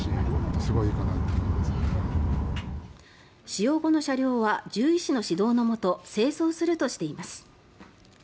使用後の車両は獣医師の指導のもと清掃するとしています。